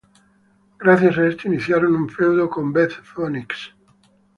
Gracias a esto, iniciaron un feudo con Beth Phoenix.